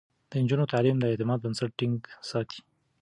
د نجونو تعليم د اعتماد بنسټ ټينګ ساتي.